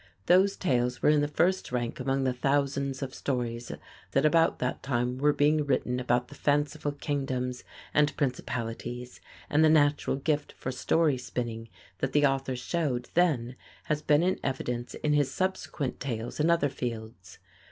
Those tales were in the first rank among the thousands of stories that about that time were being written about the fanciful kingdoms and principalities, and the natural gift for story spinning that the author showed then has been in evidence in his subsequent tales in other fields.